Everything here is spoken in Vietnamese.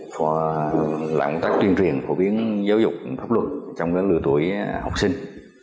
và làm công tác tuyên truyền phổ biến giáo dục pháp luật trong các lưu tuổi học sinh